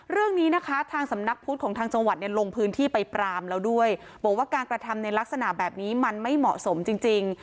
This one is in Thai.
เรื่องนี้นะคะทางสำนักพุทธของทางจังหวัดเนี่ยลงพื้นที่ไปปรามแล้วด้วยบอกว่าการกระทำในลักษณะแบบนี้มันไม่เหมาะสมจริงจริง